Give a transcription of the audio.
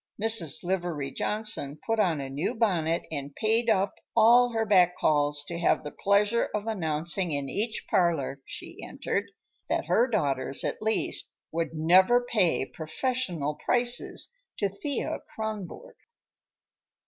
Mrs. Livery Johnson put on a new bonnet and paid up all her back calls to have the pleasure of announcing in each parlor she entered that her daughters, at least, would "never pay professional prices to Thea Kronborg."